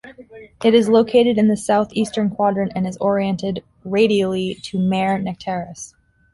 It is located in the southeastern quadrant, and is oriented radially to Mare Nectaris.